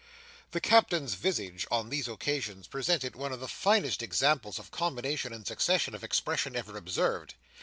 The Captain's visage on these occasions presented one of the finest examples of combination and succession of expression ever observed.